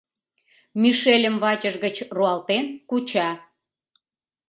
Мишельым вачыж гыч руалтен куча.